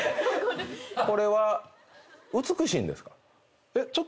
これは美しいんですか？